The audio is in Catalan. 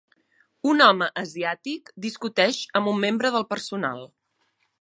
Un home asiàtic discuteix amb un membre del personal.